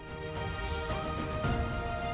keruganan dari sudah meninggal